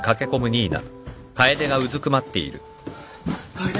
楓！？